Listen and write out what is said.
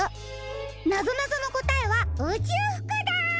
なぞなぞのこたえはうちゅうふくだ！